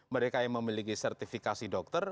mereka yang memiliki sertifikasi dokter